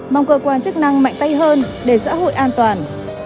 mong cơ quan chức năng mạnh tay hơn để xã hội an toàn